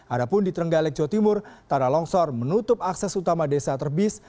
adapun di trenggalek jawa timur tanah longsor menutup akses utama desa terbis